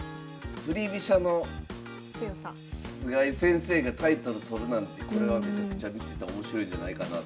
振り飛車の菅井先生がタイトル取るなんてこれは見ててめちゃくちゃ面白いんじゃないかなと。